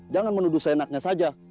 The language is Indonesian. jangan menuduh senaknya saja